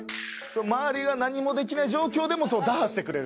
周りが何もできない状況でも打破してくれる。